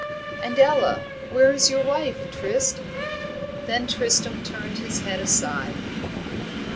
"And Ella where is your wife, Trist?" Then Tristram turned his head aside.